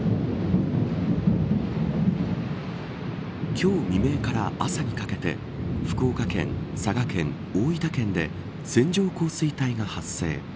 今日未明から朝にかけて福岡県、佐賀県、大分県で線状降水帯が発生。